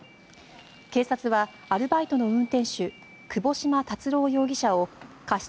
警察はアルバイトの運転手窪島達郎容疑者を過失